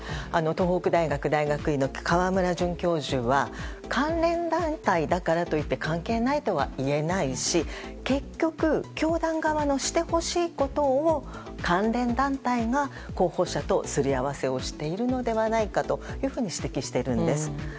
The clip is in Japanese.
東北大学大学院の河村准教授は関連団体だからといって関係ないとは言えないし結局、教団側のしてほしいことを関連団体が候補者とすり合わせをしているのではないかと指摘しているんです。